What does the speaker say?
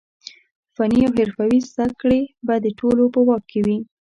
فني او حرفوي زده کړې به د ټولو په واک کې وي.